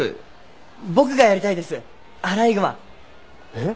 えっ？